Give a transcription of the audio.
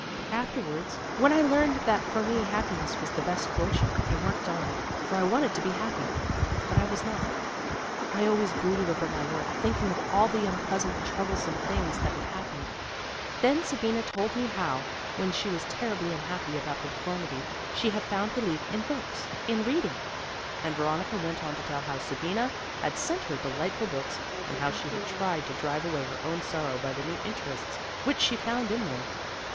Afterwards when I learned that for me happiness was the best fortune, I worked on, for I wanted to be happy, but I was not. I always brooded over my work, thinking of all the unpleasant and troublesome things that had happened. Then Sabina told me how, when she was terribly unhappy about her deformity, she had found relief in books, in reading," and Veronica went on to tell how Sabina had sent her delightful books and how she had tried to drive away her own sorrow by the new interests which she found in them.